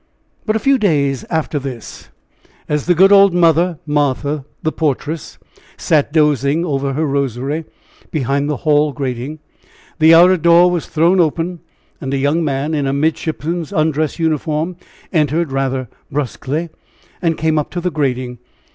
But a few days after this, as the good old Mother, Martha, the portress, sat dozing over her rosary, behind the hall grating, the outer door was thrown open, and a young man, in a midshipman's undress uniform, entered rather brusquely, and came up to the grating.